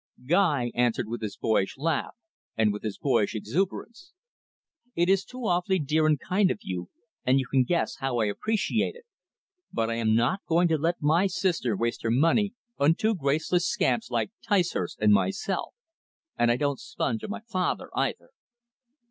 Guy answered with his boyish laugh and with his boyish exuberance. "It is too awfully dear and kind of you, and you can guess how I appreciate it. But I am not going to let my sister waste her money on two graceless scamps like Ticehurst and myself. And I don't sponge on my father, either."